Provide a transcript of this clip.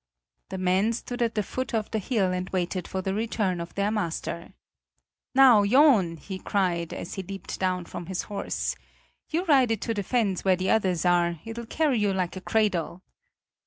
The men stood at the foot of the hill and waited for the return of their master. "Now, John," he cried, as he leaped down from his horse, "you ride it to the fens where the others are; it'll carry you like a cradle."